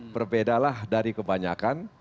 berbedalah dari kebanyakan